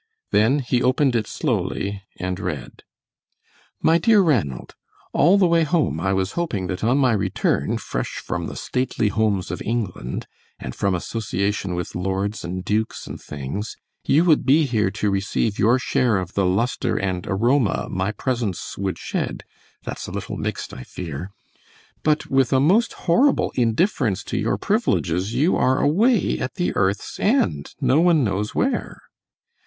Then he opened it slowly and read: MY DEAR RANALD: All the way home I was hoping that on my return, fresh from the "stately homes of England," and from association with lords and dukes and things, you would be here to receive your share of the luster and aroma my presence would shed (that's a little mixed, I fear); but with a most horrible indifference to your privileges you are away at the earth's end, no one knows where.